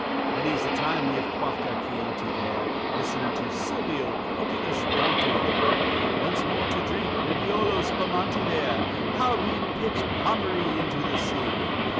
Many's the time we have quaffed our Chianti there, Listened to Silvio quoting us Dante there Once more to drink Nebiolo spumante there, How we'd pitch Pommery into the sea!